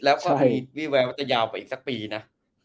แล้วก็มีวิแววว่าจะยาวไปอีกสักปีนะ